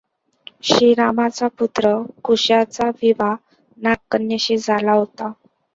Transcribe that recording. श्रीरामाचा पुत्र कुशाचा विवाह नागकन्येशी झाला होता.